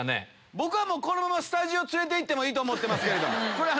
僕はこのままスタジオ連れて行ってもいいと思ってます。